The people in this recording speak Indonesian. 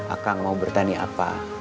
akang mau bertani apa